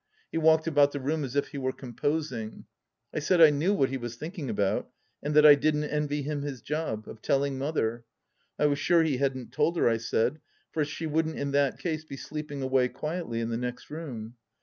He walked about the room as if he were com posing. I said I knew what he was thinking about, and that I didn't envy him his job — of telling Mother. I was sure he hadn't told her, I said, for she wouldn't in that case be sleep ing away quietly in the next room.